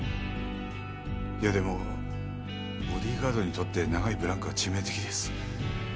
いやでもボディーガードにとって長いブランクは致命的です。